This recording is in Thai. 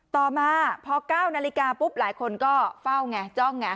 ต่อมาพอ๙นาฬิกาปุ๊บหลายคนก็เฝ้าไงจ้องไง